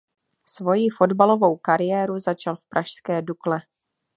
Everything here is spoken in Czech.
Svoji fotbalovou kariéru začal v pražské Dukle.